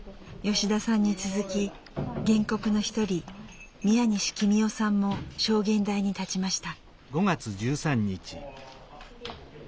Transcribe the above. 吉田さんに続き原告の一人宮西君代さんも証言台に立ちました。